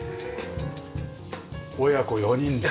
親子４人で。